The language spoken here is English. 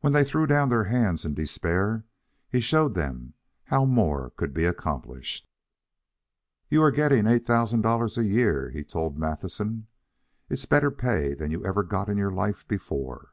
When they threw down their hands in despair, he showed them how more could be accomplished. "You are getting eight thousand dollars a year," he told Matthewson. "It's better pay than you ever got in your life before.